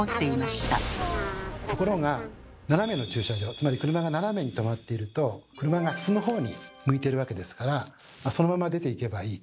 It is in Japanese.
つまり車が斜めにとまっていると車が進む方に向いてるわけですからそのまま出ていけばいいと。